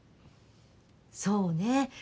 そうね。